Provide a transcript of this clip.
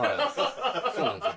そうなんですよ。